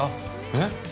えっ！？